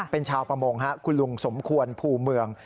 เป็นชาวประมงคุณลุงสมควรภูเมือง